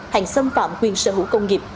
hàng xâm phạm quyền sở hữu công nghiệp